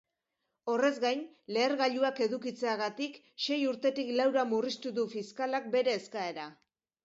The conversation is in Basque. Horrez gain, lehergailuak edukitzeagatik sei urtetik laura murriztu du fiskalak bere eskaera.